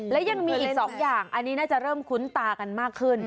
และยังมีอีก๒อย่างอันนี้น่าจะเริ่มคุ้นตากันมากขึ้น